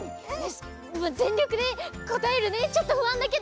しぜんりょくでこたえるねちょっとふあんだけど！